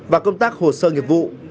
và công tác hồ sơ nghiệp vụ